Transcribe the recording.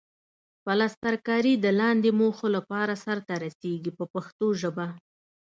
پلسترکاري د لاندې موخو لپاره سرته رسیږي په پښتو ژبه.